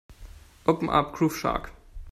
Open up Groove Shark.